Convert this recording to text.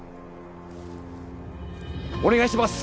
お願いします